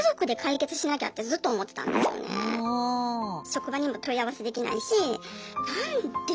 職場にも問い合わせできないし何で？